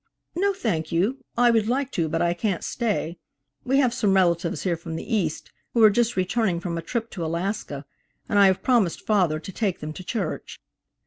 "No, thank you. I would like to, but I can't stay. We have some relatives here from the East who are just returning from a trip to Alaska, and I have promised father to take them to church."